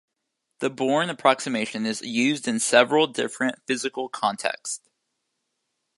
The Born approximation is used in several different physical contexts.